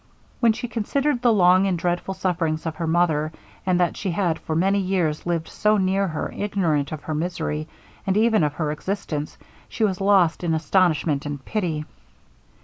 When she considered the long and dreadful sufferings of her mother, and that she had for many years lived so near her, ignorant of her misery, and even of her existence she was lost in astonishment and pity.